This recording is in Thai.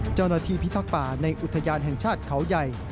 เจ้าหน้าที่พิทักษ์ป่าในอุทยานแห่งชาติเขาใหญ่